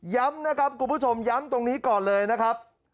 ย้ำนะครับคุณผู้ชมย้ำตรงนี้ก่อนเลยนะครับ